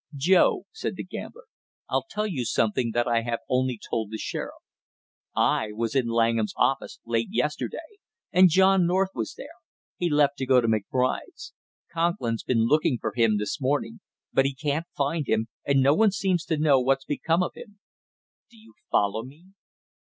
"Joe," said the gambler, "I'll tell you something that I have only told the sheriff. I was in Langham's office late yesterday and John North was there; he left to go to McBride's. Conklin's been looking for him this morning, but he can't find him, and no one seems to know what's become of him. Do you follow me?"